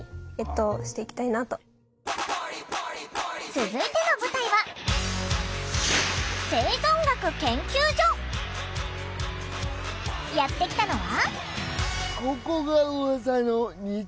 続いての舞台はやって来たのは。